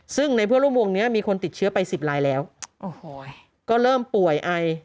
ซึ่งในเพื่อนร่วมวงเนี้ยมีคนติดเชื้อไปสิบลายแล้วโอ้โหก็เริ่มป่วยไอ